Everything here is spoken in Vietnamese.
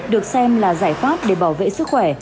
được xem là giải pháp để bảo vệ sức khỏe